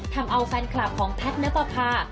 ทำเอาแฟนคลับของแพทย์ณปภา